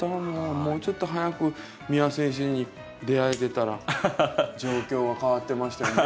もうちょっと早く三輪先生に出会えてたら状況が変わってましたよね